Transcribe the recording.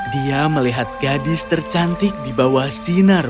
dia melihat gadis tercantik di bawah sinar